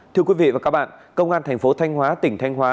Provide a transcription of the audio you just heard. thưa quý vị và các bạn công an thành phố thanh hóa tỉnh thanh hóa